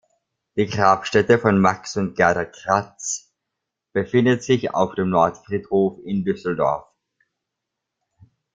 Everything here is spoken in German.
Die Grabstätte von Max und Gerda Kratz befindet sich auf dem Nordfriedhof in Düsseldorf.